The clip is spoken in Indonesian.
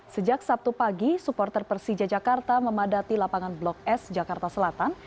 sejak sabtu pagi supporter persija jakarta memadati lapangan blok s jakarta selatan